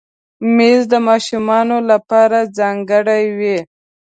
مېز د ماشومانو لپاره ځانګړی وي.